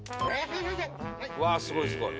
うわーすごいすごい！